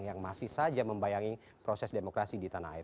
yang masih saja membayangi proses demokrasi di tanah air